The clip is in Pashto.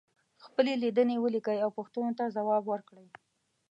خپلې لیدنې ولیکئ او پوښتنو ته ځواب ورکړئ.